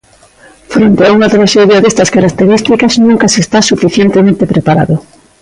Fronte a unha traxedia destas características nunca se está suficientemente preparado.